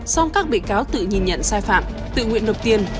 song các bị cáo tự nhìn nhận sai phạm tự nguyện nộp tiền